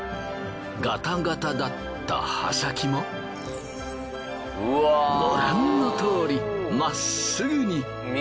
ガタガタだった刃先もご覧のとおり真っすぐに。